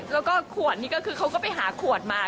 แล้วก็ขวดนี้ก็คือเขาก็ไปหาขวดมา